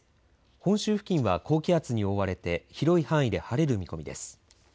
本州付近は高気圧に覆われて広い範囲で晴れる見込みです。